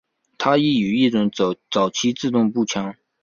它亦是一种早期的自动步枪。